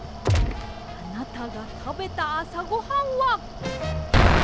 あなたがたべたあさごはんは。